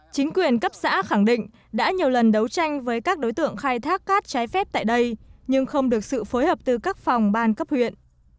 chính quyền cấp xã khẳng định đã nhiều lần đấu tranh với các đối tượng khai thác cát trái phép tại đây nhưng không được sự phối hợp từ các phòng ban cấp huyện